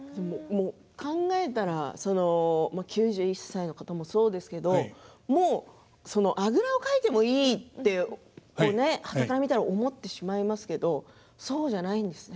考えたら９１歳の方もそうですけどもう、あぐらをかいてもいいとはたから見たら思ってしまいますけれどもそうじゃないんですね。